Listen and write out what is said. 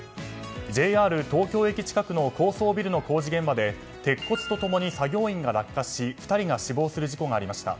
ＪＲ東京駅近くの高層ビルの工事現場で鉄骨と共に作業員が落下し２人が死亡する事故がありました。